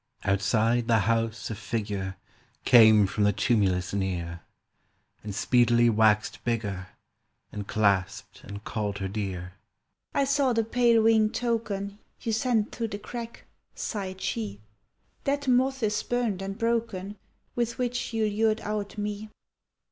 Outside the house a figure Came from the tumulus near, And speedily waxed bigger, And clasped and called her Dear. "I saw the pale winged token You sent through the crack," sighed she. "That moth is burnt and broken With which you lured out me.